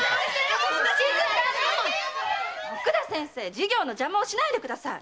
授業の邪魔をしないでください。